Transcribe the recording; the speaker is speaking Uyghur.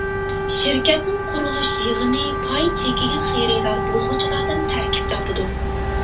شىركەتنىڭ قۇرۇلۇش يىغىنى پاي چېكىگە خېرىدار بولغۇچىلاردىن تەركىب تاپىدۇ.